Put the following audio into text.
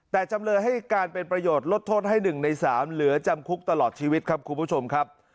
แต่จำเลยให้การเป็นประโยชน์ลดโทษให้๑ใน๓เหลือจำคุกตลอดชีวิตครับคุณผู้ชมครับ